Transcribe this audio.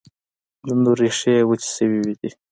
د نور، ریښې یې وچي شوي دي